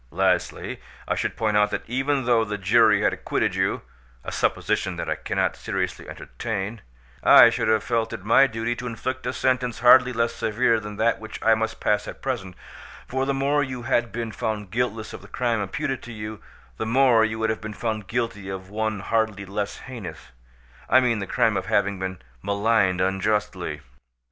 "Lastly, I should point out that even though the jury had acquitted you—a supposition that I cannot seriously entertain—I should have felt it my duty to inflict a sentence hardly less severe than that which I must pass at present; for the more you had been found guiltless of the crime imputed to you, the more you would have been found guilty of one hardly less heinous—I mean the crime of having been maligned unjustly.